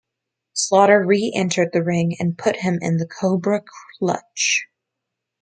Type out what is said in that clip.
Slaughter reentered the ring and put him in the Cobra Clutch.